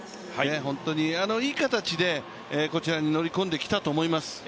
本当にいい形でこちらに乗り込んできたと思います。